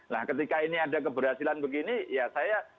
nah ketika ini ada keberhasilan begini ya saya